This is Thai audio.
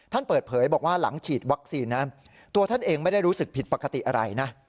ท่านเปิดเผยบอกว่าหลังฉีดวัคซีนนะตัวท่านเองไม่ได้รู้สึกผิดปกติอะไรนะ